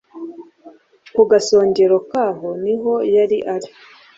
Ku gasongero kawo niho yari ari